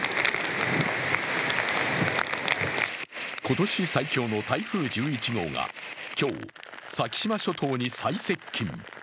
今年最強の台風１１号が今日、先島諸島に最接近。